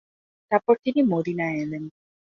তারপর তিনি মদীনায় এলেন।